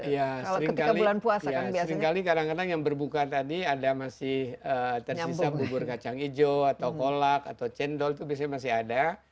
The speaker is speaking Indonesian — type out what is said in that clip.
ya seringkali kadang kadang yang berbuka tadi ada masih tersisa bubur kacang hijau atau kolak atau cendol itu biasanya masih ada